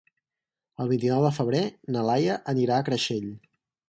El vint-i-nou de febrer na Laia anirà a Creixell.